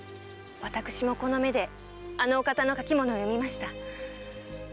私もこの目であのお方の書き物を読みました。